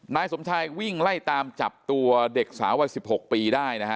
นายสมชายวิ่งไล่ตามจับตัวเด็กสาววัย๑๖ปีได้นะฮะ